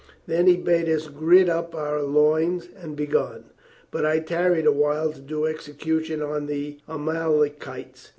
Then he bade us gird up our loins and be gone, but I tarried a while to do execution on the Amalekites.